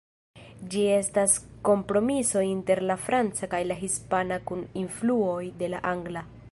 Ĝi estas kompromiso inter la franca kaj la hispana kun influoj de la angla.